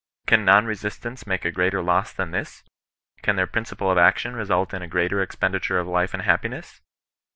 Can non resistants make a greater loss than this 1 Can their principle of action result in a greater expenditure of life ana happiness